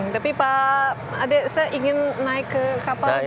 tapi pak saya ingin naik ke kapal john lee ini